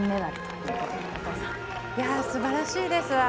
すばらしいです。